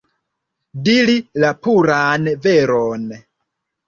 Diri la puran veron.